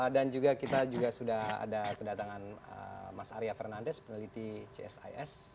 dan juga kita sudah ada kedatangan mas arya fernandes peneliti csis